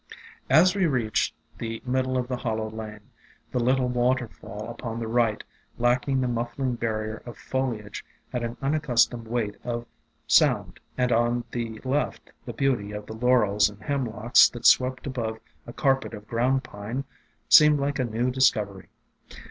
336 AFTERMATH As we reached the middle of the Hollow lane, the little waterfall upon the right, lacking the muffling barrier of foliage, had an unaccustomed weight of , sound, and on the left the beauty of the Laurels and Hemlocks that swept above a carpet of Ground Pine seemed like a new discovery.